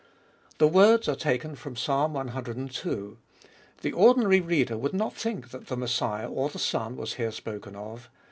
The words are taken from Ps. cii. The ordinary reader would not think that the Messiah or the Son was here spoken of.